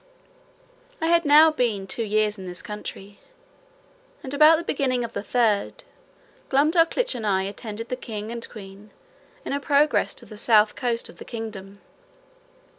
I had now been two years in this country; and about the beginning of the third, Glumdalclitch and I attended the king and queen, in a progress to the south coast of the kingdom.